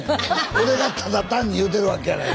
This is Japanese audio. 俺がただ単に言うてるわけやない。